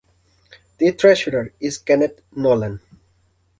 The Treasurer is Kenneth Nolan.